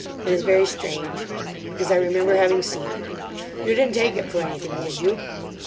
It is very strange. Because I remember having seen it. You didn't take it for anything, did you?